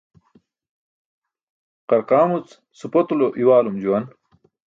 Qarqaamuc supotulo i̇waalum juwan.